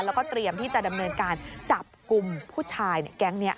แล้วก็เตรียมที่จะดำเนินการจับกลุ่มผู้ชายแก๊งนี้